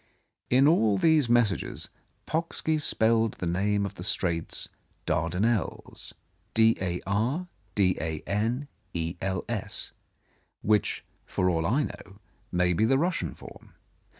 In all these messages Pocksky spelled the name of the straits "Dardanels," which, for all I know, may be the Russian form.